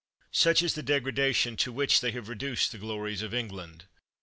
Such is the degradation to which they have reduced the glories of England!